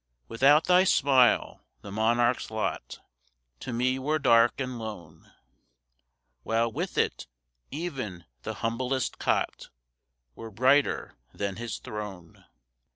Without thy smile, the monarch's lot To me were dark and lone, While, with it, even the humblest cot Were brighter than his throne.